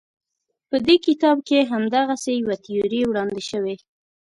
په دې کتاب کې همدغسې یوه تیوري وړاندې شوې.